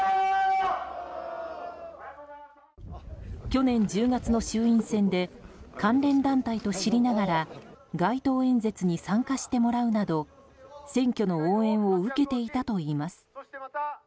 去年１０月の衆院選で関連団体と知りながら街頭演説に参加してもらうなど選挙の応援を受けていたといいます。